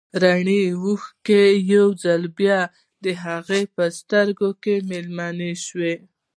رڼې اوښکې يو ځل بيا د هغې د سترګو مېلمنې شوې.